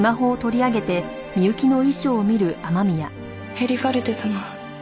「ヘリファルテ様」